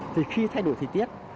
thì khi thay đổi thị tiết